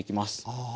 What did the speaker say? ああ。